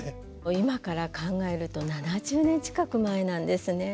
今から考えると７０年近く前なんですね。